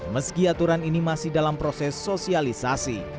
meski aturan ini masih dalam proses sosialisasi